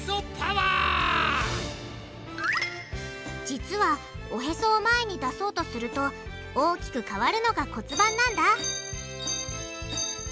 実はおヘソを前に出そうとすると大きく変わるのが骨盤なんだ